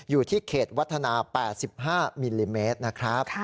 อยู่ที่เขตวัฒนา๘๕มิลลิเมตรนะครับ